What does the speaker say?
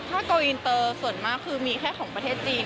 ถ้าโกอินเตอร์ส่วนมากคือมีแค่ของประเทศจีน